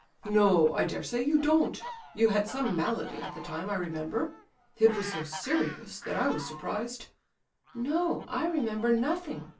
No, I dare say you don't; you had some malady at the time, I remember. It was so serious that I was surprised—" "No; I remember nothing!"